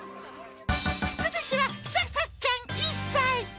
続いてはささちゃん１歳。